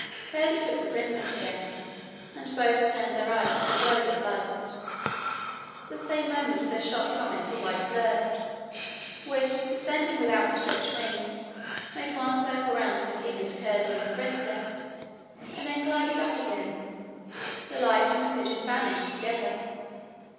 Curdie took the princess again, and both turned their eyes to the globe of light. The same moment there shot from it a white bird, which, descending with outstretched wings, made one circle round the king an Curdie and the princess, and then glided up again. The light and the pigeon vanished together.